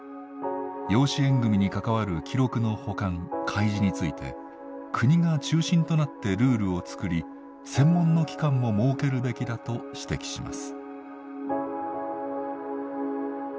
養子縁組に関わる記録の保管開示について国が中心となってルールを作り専門の機関も設けるべきだと指摘します。